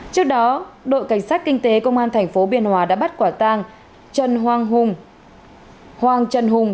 trước đó đội cảnh sát kinh tế công an tp biên hòa đã bắt quả tang trần hoàng hùng hoàng trần hùng